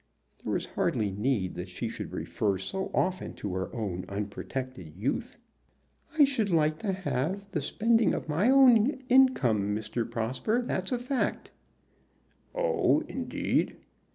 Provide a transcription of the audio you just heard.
There was hardly need that she should refer so often to her own unprotected youth. "I should like to have the spending of my own income, Mr. Prosper; that's a fact." "Oh, indeed!"